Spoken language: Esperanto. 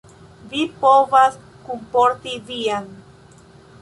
Vi povas kunporti vian.